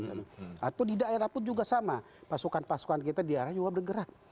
atau di daerah pun juga sama pasukan pasukan kita di daerah juga bergerak